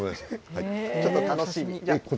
ちょっと楽しみ。